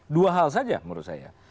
dua hal saja menurut saya